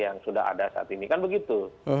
yang sudah ada saat ini kan begitu